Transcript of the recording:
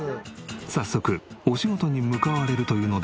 早速お仕事に向かわれるというので